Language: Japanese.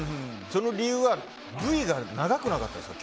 その理由は、Ｖが長くなかったですか？